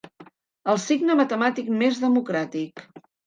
El signe matemàtic més democràtic.